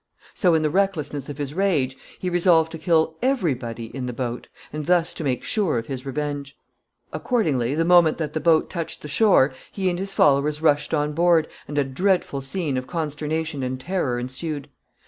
So, in the recklessness of his rage, he resolved to kill every body in the boat, and thus to make sure of his revenge. [Sidenote: Assault upon the boat.] Accordingly, the moment that the boat touched the shore, he and his followers rushed on board, and a dreadful scene of consternation and terror ensued.